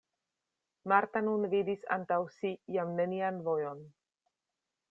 Marta nun vidis antaŭ si jam nenian vojon.